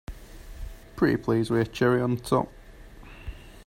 Pretty please with a cherry on top!